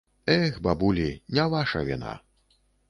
Эх, бабулі, не ваша віна.